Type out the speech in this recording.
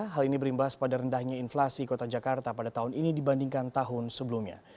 hal ini berimbas pada rendahnya inflasi kota jakarta pada tahun ini dibandingkan tahun sebelumnya